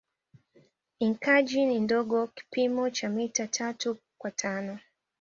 Enkaji ni ndogo kipimo cha mita tatu kwa tano